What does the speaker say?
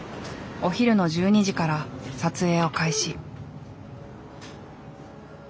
お昼の１２時から撮影を開始。